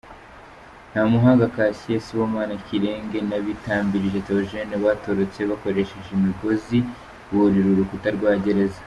Ntamuhanga Cassier , Sibomana Kirege, na Batambirije Théogène batorotse bakoresheje imigozi burira urukuta rwa gereza.